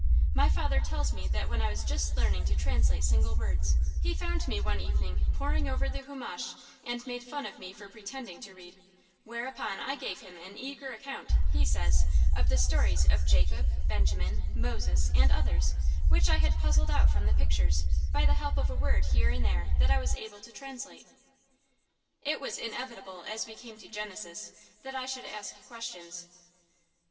My father tells me that when I was just learning to translate single words, he found me one evening poring over the humesh and made fun of me for pretending to read; whereupon I gave him an eager account, he says, of the stories of Jacob, Benjamin, Moses, and others, which I had puzzled out from the pictures, by the help of a word here and there that I was able to translate. It was inevitable, as we came to Genesis, that I should ask questions.